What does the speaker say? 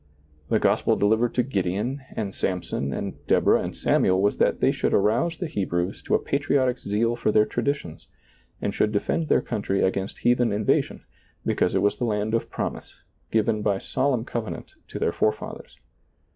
The gospel delivered to Gideon and Samson and Deb orah and Samuel was that they should arouse DiailizccbvGoOgle RAHAB 31 the Hebrews to a patriotic zeal for their traditions, and should defend their country against heathen invasion, because it was the land of promise, given by solemn covenant to their forefathers.